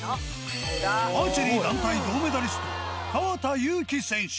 アーチェリー団体銅メダリスト、河田悠希選手。